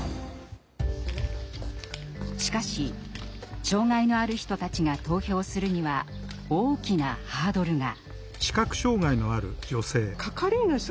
しかし障害のある人たちが投票するには大きなハードルが。